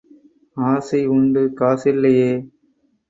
ஆசை உண்டு காசில்லேயே!